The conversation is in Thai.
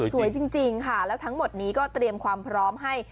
สวยจริงค่ะแล้วทั้งหมดนี้ก็เตรียมความพร้อมให้